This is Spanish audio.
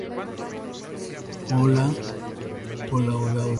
Las larvas se alimentan de una amplia gama de plantas.